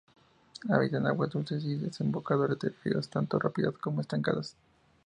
Habitan aguas dulces y desembocaduras de ríos, tanto rápidas como estancadas.